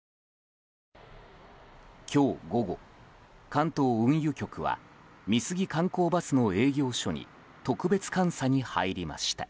今日午後、関東運輸局は美杉観光バスの営業所に特別監査に入りました。